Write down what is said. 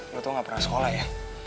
lo tuh nggak pernah sekolah ya